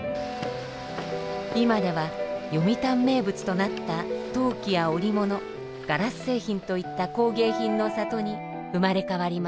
今では読谷名物となった陶器や織物ガラス製品といった工芸品の里に生まれ変わりました。